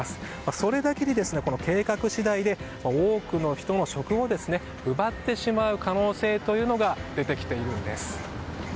それだけに計画次第で多くの人の職を奪ってしまう可能性というのが出てきているんです。